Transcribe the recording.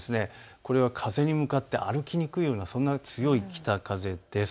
これは風に向かって歩きにくい、そんな北風です。